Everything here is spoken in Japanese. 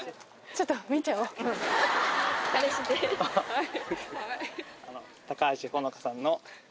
はい。